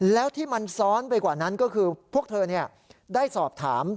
แล้วที่มันซ้อนไปกว่านั้นก็คือพวกเธอได้สอบถาม